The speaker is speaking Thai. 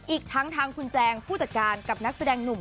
อีกทั้งทางคุณแจงผู้จัดการกับนักแสดงหนุ่ม